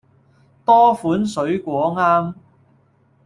多款水果啱